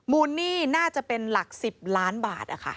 หนี้น่าจะเป็นหลัก๑๐ล้านบาท